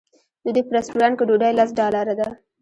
د دوی په رسټورانټ کې ډوډۍ لس ډالره ده.